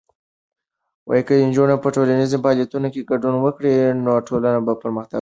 که نجونې په ټولنیزو فعالیتونو کې ګډون وکړي، نو ټولنه پرمختګ کوي.